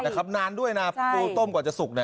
แต่ครับนานด้วยนะปูต้มกว่าจะสุก